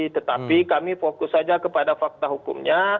tetapi kami fokus saja kepada fakta hukumnya